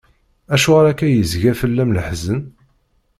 Acuɣer akka yezga fell-am leḥzen?